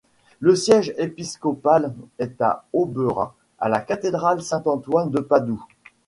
Le siège épiscopal est à Oberá, à la cathédrale Saint-Antoine-de-Padoue.